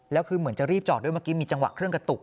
แล้วคือเหมือนจะรีบจอดด้วยเมื่อกี้มีจังหวะเครื่องกระตุก